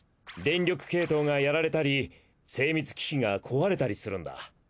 電力系統がやられたり精密機器が壊れたりするんだ。